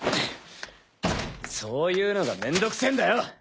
そういうのがめんどくせえんだよ！